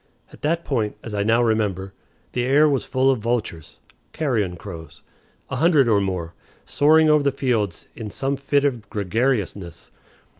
At that point, as I now remember, the air was full of vultures (carrion crows), a hundred or more, soaring over the fields in some fit of gregariousness.